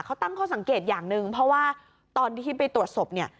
เขาตั้งข้อสังเกตอย่างหนึ่งเพราะว่าตอนที่ไปตรวจศพเนี่ย